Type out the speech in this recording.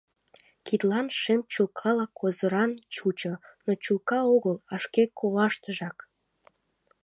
Кидлан шем чулкала козыран чучо, но чулка огыл, а шке коваштыжак.